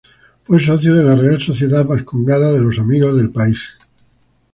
Fue socio de la Real Sociedad Bascongada de los Amigos del País.